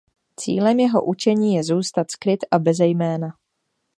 Cílem jeho učení je zůstat skryt a beze jména.